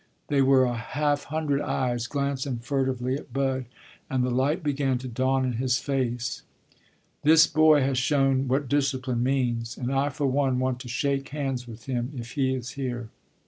There were a half hundred eyes glancing furtively at Bud, and the light began to dawn in his face. "This boy has shown what discipline means, and I for one want to shake hands with him, if he is here."